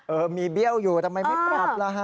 เออมีเบี้ยวอยู่ทำไมไม่ปรับล่ะฮะ